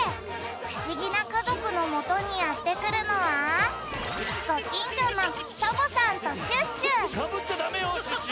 ふしぎなかぞくのもとにやってくるのはサボっちゃダメよシュッシュ！